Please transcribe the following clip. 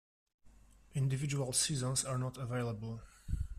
Individual seasons are not available.